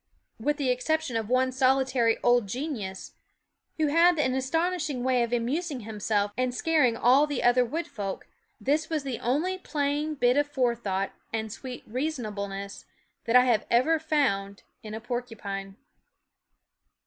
With the exception of one solitary old genius, who had an astonishing way of amusing him self and scaring all the other wood folk, this was the only plain bit of forethought and sweet reasonableness that I have ever found in a porcupine.